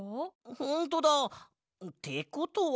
ほんとだ！ってことは。